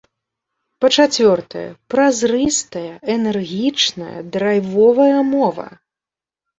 Па-чацвёртае, празрыстая, энергічная, драйвовая мова.